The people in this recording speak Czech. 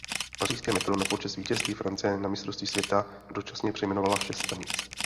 Pařížské metro na počest vítězství Francie na mistrovství světa dočasně přejmenovalo šest stanic.